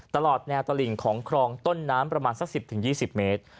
ตลอดแนวตลิ่งของครองต้นน้ำประมาณสัก๑๐๒๐เมตร